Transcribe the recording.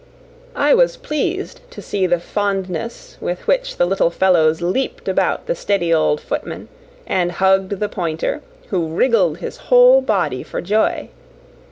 I was pleased to see the fondness with which the little fellows leaped about the steady old footman, and hugged the pointer, who wriggled his whole body for joy.